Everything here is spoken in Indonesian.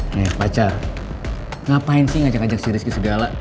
nih pacar ngapain sih ngajak ngajak si rizky segala